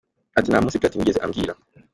Ati: “Nta munsi Platini yigeze ambwira.